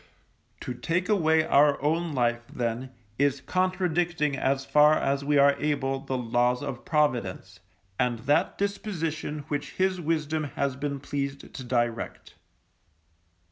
To take away our own life, then, is contradicting as far as we are able the Laws of Providence, and that disposition which His wisdom has been pleased to direct.